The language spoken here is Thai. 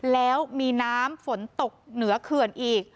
แล้วมีน้ำฝนตกเหนือเขื่อนอีก